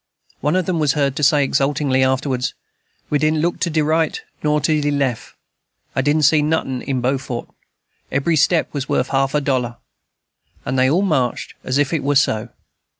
One of them was heard to say exultingly afterwards, "We didn't look to de right nor to de leff. I didn't see notin' in Beaufort. Eb'ry step was worth a half a dollar." And they all marched as if it were so.